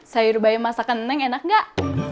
sayur bayam masakan nenang enak gak